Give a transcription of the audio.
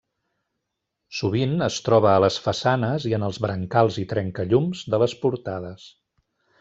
Sovint es troba a les façanes i en els brancals i trencallums de les portades.